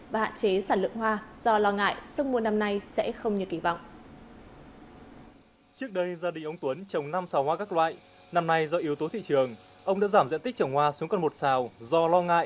và hạn chế sản lượng hoa do lo ngại sông mùa năm nay sẽ không như kỳ vọng